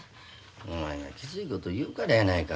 お前がきついこと言うからやないか。